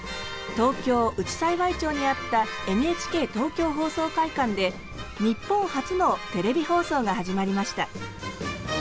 東京・内幸町にあったＮＨＫ東京放送会館で日本初のテレビ放送が始まりました。